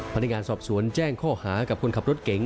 พนักงานสอบสวนแจ้งข้อหากับคนขับรถเก๋ง